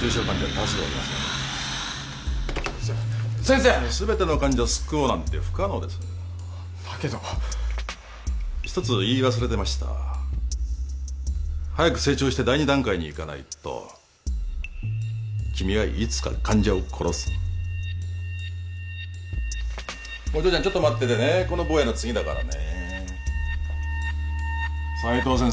多数おりますので先生すべての患者を救おうなんて不可能ですよだけど一つ言い忘れてました早く成長して第二段階にいかないと君はいつか患者を殺すお嬢ちゃんちょっと待っててねこの坊やの次だよ斉藤先生